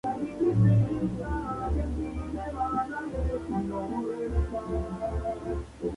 Al año siguiente el grupo A se convirtió en su sustituto.